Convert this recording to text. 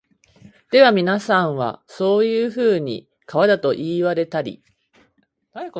ではみなさんは、そういうふうに川だと云いわれたり、